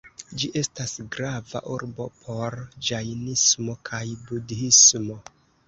Ĝi estas grava urbo por ĝajnismo kaj budhismo.